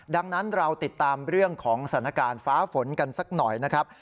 ดังนั้นเราติดตามเรื่องของสถานการณ์ฟ้าฝนกันสักหน่อยนะครับ